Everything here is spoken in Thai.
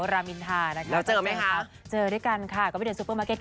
แรมินทน์ธาแล้วเจอรึไหมฮะเจอด้วยกันค่ะก็ไปใน